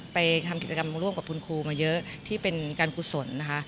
ไปทำกิจกรรมร่วมกับคุณครูมาเยอะที่เป็นการกุศลนะคะ